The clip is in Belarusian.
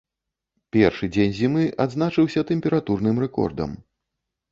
Першы дзень зімы адзначыўся тэмпературным рэкордам.